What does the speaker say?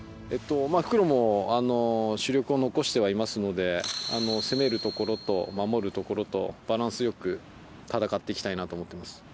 復路も主力を残してはいますので、攻めるところと守るところとバランスよく戦っていきたいなと思います。